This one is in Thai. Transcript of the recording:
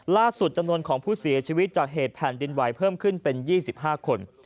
จำนวนของผู้เสียชีวิตจากเหตุแผ่นดินไหวเพิ่มขึ้นเป็น๒๕คน